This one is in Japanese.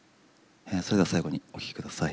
それでは最後にお聴きください。